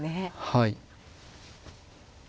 はい。